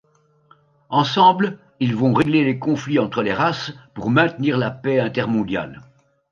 Ensemble, ils vont régler les conflits entre les races pour maintenir la paix intermondiale.